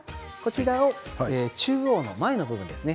中央の前の部分ですね。